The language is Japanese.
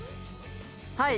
はい。